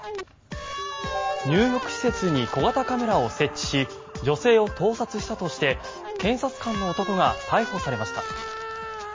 入浴施設に小型カメラを設置し女性を盗撮したとして検察官の男が逮捕されました。